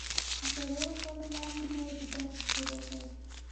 د څلورو کالو لا نه وه چي درس يې شروع کی.